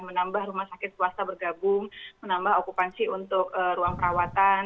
menambah rumah sakit swasta bergabung menambah okupansi untuk ruang perawatan